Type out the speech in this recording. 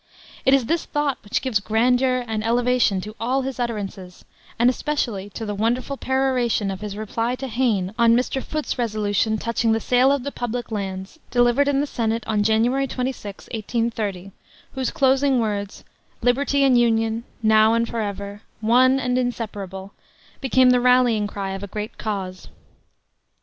It is this thought which gives grandeur and elevation to all his utterances, and especially to the wonderful peroration of his reply to Hayne, on Mr. Foot's resolution touching the sale of the public lands, delivered in the Senate on January 26, 1830, whose closing words, "liberty and union, now and forever, one and inseparable," became the rallying cry of a great cause.